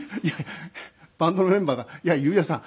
バンドのメンバーが「いや裕也さん